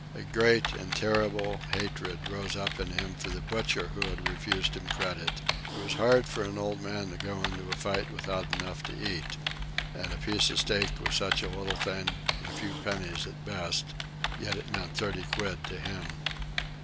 A great and terrible hatred rose up in him for the butchers who had refused him credit. It was hard for an old man to go into a fight without enough to eat. And a piece of steak was such a little thing, a few pennies at best; yet it meant thirty quid to him.